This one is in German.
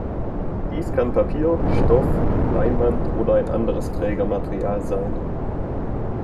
Dies kann Papier, Stoff, Leinwand oder ein anderes Trägermaterial sein.